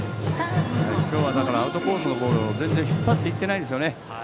今日はアウトコースのボールを全然引っ張っていないですね。